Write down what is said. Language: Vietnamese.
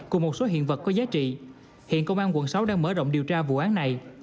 cùng một số hiện vật có giá trị hiện công an quận sáu đang mở rộng điều tra vụ án này